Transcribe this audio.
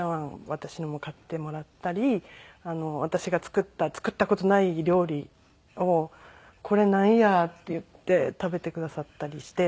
私のも買ってもらったり私が作った作った事ない料理を「これなんや？」って言って食べてくださったりして。